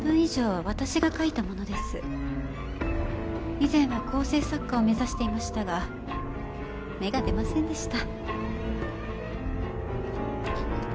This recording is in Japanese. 以前は構成作家を目指していましたが芽が出ませんでした。